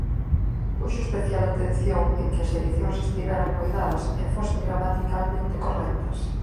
Puxo especial atención en que as edicións estiveran coidadas e fosen gramaticalmente correctas.